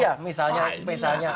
ya saat itu ya